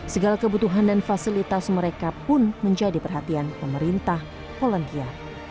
segala kebutuhan dan fasilitas mereka pun menjadi perhatian pemerintah polandia